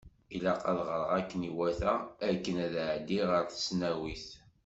Ilaq ad ɣreɣ akken iwata akken ad ɛeddiɣ ɣer tesnawit.